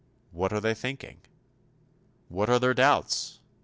What are they thinking? What are their doubts?